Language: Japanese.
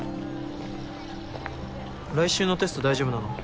来週のテスト大丈夫なの？